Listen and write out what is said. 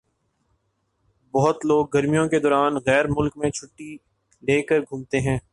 بہت لوگ گرمیوں کے دوران غیر ملک میں چھٹّی لے کر گھومتے ہیں۔